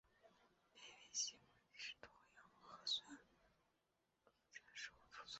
微卫星估计是脱氧核糖核酸复制的时候出错导致的。